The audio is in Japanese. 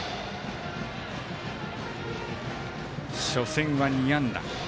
初戦は２安打。